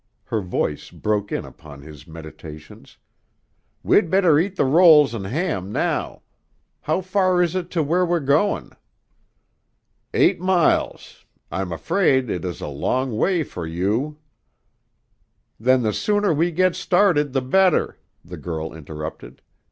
Her voice broke in upon his meditations. "We'd better eat the rolls an' ham now. How far is it to where we're goin'?" "Eight miles; I'm afraid it is a long way for you " "Then the sooner we git started the better," the girl interrupted.